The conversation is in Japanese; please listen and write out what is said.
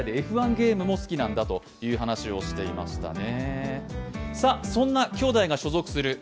ゲームも好きなんだという話をしていましたね。